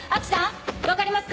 分かりますか？